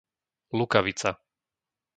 Lukavica